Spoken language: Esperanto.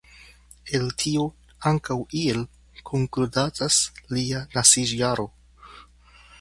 El tio ankaŭ iel konkludatas lia nasiĝjaro.